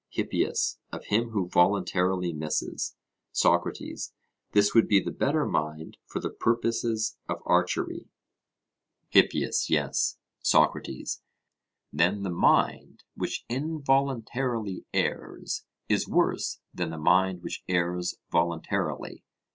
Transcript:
HIPPIAS: Of him who voluntarily misses. SOCRATES: This would be the better mind for the purposes of archery? HIPPIAS: Yes. SOCRATES: Then the mind which involuntarily errs is worse than the mind which errs voluntarily?